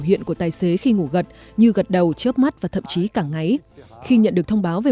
hiện của tài xế khi ngủ gật như gật đầu chớp mắt và thậm chí cảng ngáy khi nhận được thông báo về